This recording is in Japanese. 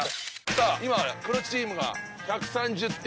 今黒チームが１３０点。